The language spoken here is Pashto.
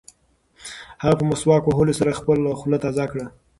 هغه په مسواک وهلو سره خپله خوله تازه کړه.